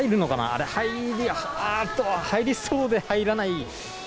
あれ、入り、あーっと、入りそうで入らない。